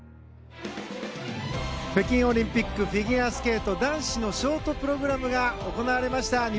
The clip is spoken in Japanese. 北京オリンピックフィギュアスケート男子のショートプログラムが行われました。